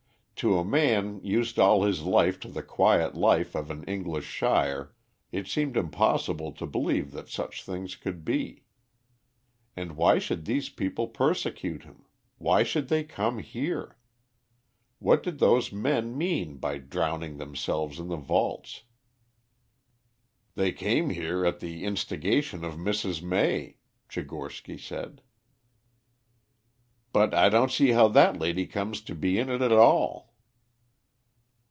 To a man used all his life to the quiet life of an English shire it seemed impossible to believe that such things could be. And why should these people persecute him; why should they come here? What did those men mean by drowning themselves in the vaults? "They came here at the instigation of Mrs. May," Tchigorsky said. "But I don't see how that lady comes to be in it at all."